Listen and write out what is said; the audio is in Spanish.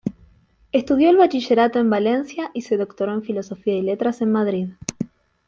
Estudió el bachillerato en Valencia y se doctoró en Filosofía y Letras en Madrid.